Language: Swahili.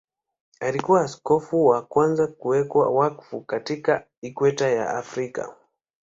Alikuwa askofu wa kwanza kuwekwa wakfu katika Ikweta ya Afrika.